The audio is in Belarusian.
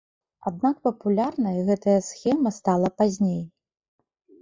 Аднак папулярнай гэтая схема стала пазней.